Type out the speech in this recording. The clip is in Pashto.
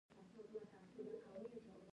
کلتور باید څنګه معرفي شي؟